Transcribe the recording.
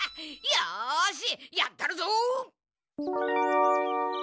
よしやったるぞ！